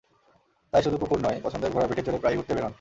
তাই শুধু কুকুর নয়, পছন্দের ঘোড়ার পিঠে চড়ে প্রায়ই ঘুরতে বের হন।